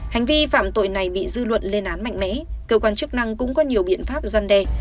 hành vi phạm tội này bị dư luận lên án mạnh mẽ cơ quan chức năng cũng có nhiều biện pháp gian đe